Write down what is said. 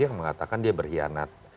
yang mengatakan dia berkhianat